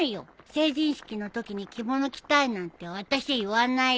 成人式の時に着物着たいなんてあたしゃ言わないよ。